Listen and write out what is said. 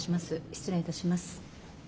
失礼いたします。